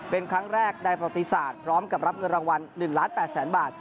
เป็นครั้งแรกในประติศาสตร์พร้อมกับรับเงินรางวัล๑ล้าน๘แสนบาท